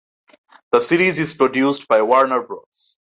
The series is produced by Warner Bros.